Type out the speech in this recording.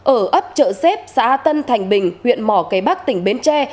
ở ấp trợ xếp xã tân thành bình huyện mỏ cây bắc tỉnh bến tre